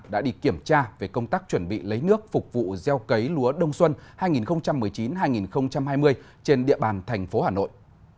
đã đi kiểm tra về công tác chuẩn bị lấy nước phục vụ gieo cấy lúa đông xuân hai nghìn một mươi chín hai nghìn hai mươi trên địa bàn thành phố hà nội